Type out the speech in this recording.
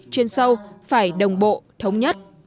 chuyên sâu phải đồng bộ thống nhất